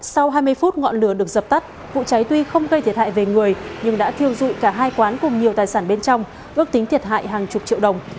sau hai mươi phút ngọn lửa được dập tắt vụ cháy tuy không gây thiệt hại về người nhưng đã thiêu dụi cả hai quán cùng nhiều tài sản bên trong ước tính thiệt hại hàng chục triệu đồng